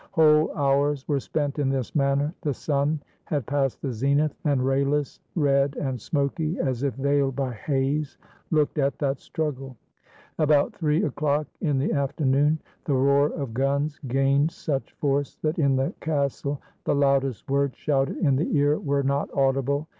Whole hours were spent in this manner. The sun had passed the zenith, and rayless, red, and smoky, as if veiled by haze, looked at that struggle. About three o'clock in the afternoon the roar of guns gained such force that in the castle the loudest words shouted in the ear were not audible.